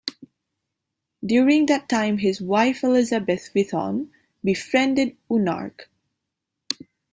During that time his wife Elizabeth Whitton, befriended Oonark.